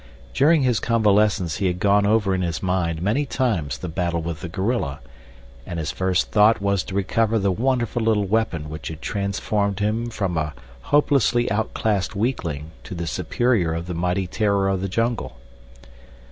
During his convalescence he had gone over in his mind many times the battle with the gorilla, and his first thought was to recover the wonderful little weapon which had transformed him from a hopelessly outclassed weakling to the superior of the mighty terror of the jungle.